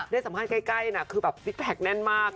ด้วยสำคัญใกล้คือแบบฟิตแพคแน่นมาก